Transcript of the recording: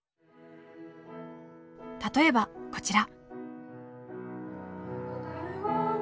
例えばこちら！